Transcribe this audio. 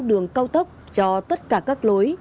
đường cao tốc cho tất cả các lối